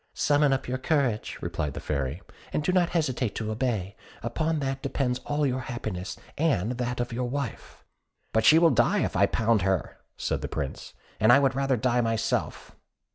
"Summon up your courage," replied the Fairy, "and do not hesitate to obey; upon that depends all your happiness, and that of your wife." "But she will die if I pound her," said the Prince, "and I would rather die myself."